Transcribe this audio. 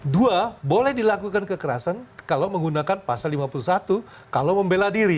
dua boleh dilakukan kekerasan kalau menggunakan pasal lima puluh satu kalau membela diri